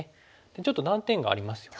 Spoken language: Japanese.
ちょっと断点がありますよね。